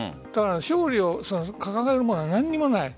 勝利を掲げるものが何もない。